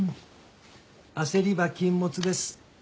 焦りは禁物です。